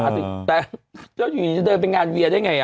แต่เจ้าหญิงจะเดินไปงานเวียได้ไงอ่ะ